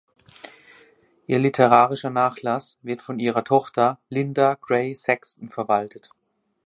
Ihr literarischer Nachlass wird von ihrer Tochter Linda Gray Sexton verwaltet.